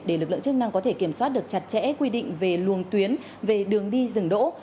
để lực lượng chức năng có thể kiểm soát được chặt chẽ quy định về luồng tuyến về đường đi dừng đỗ